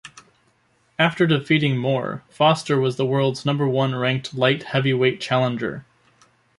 After defeating Moore, Foster was the world's number one ranked Light Heavyweight challenger.